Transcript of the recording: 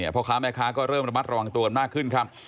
พ่อค้าแม่ค้าก็เริ่มระมัดระวังตัวกันมากขึ้นครับ